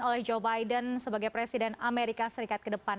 oleh joe biden sebagai presiden amerika serikat ke depan